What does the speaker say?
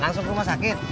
langsung ke rumah sakit